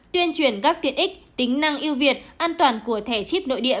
tuyên truyền các tiện ích tính năng ưu việt an toàn của thẻ chip nội địa